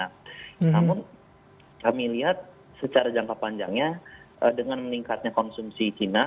namun kami lihat secara jangka panjangnya dengan meningkatnya konsumsi china